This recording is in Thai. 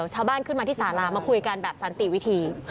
จะขึ้นมาที่สาลามาคุยกันแบบซันติวิธี